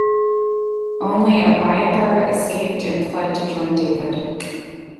Only Abiathar escaped, and fled to join David.